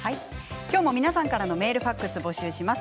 皆さんからのメールファックスを募集します。